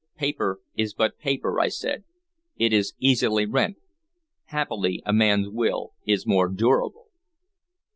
"Paper is but paper," I said. "It is easily rent. Happily a man's will is more durable."